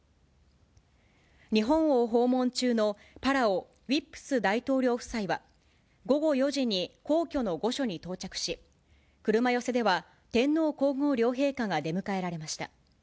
日本を訪問中のパラオ、ウィップス大統領夫妻は、午後４時に皇居の御所に到着し、車寄せでは天皇皇后両陛下が出迎えられました。